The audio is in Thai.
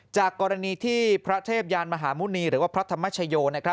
จากกรณีที่พระเทพยานมหาหมุณีหรือว่าพระธรรมชโย